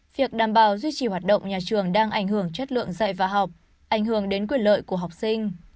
việc đảm bảo duy trì hoạt động nhà trường đang ảnh hưởng chất lượng dạy và học ảnh hưởng đến quyền lợi của học sinh